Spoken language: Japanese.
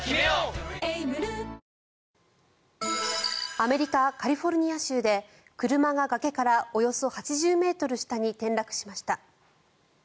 アメリカ・カリフォルニア州で車が崖からおよそ８０ｍ下に転落しました。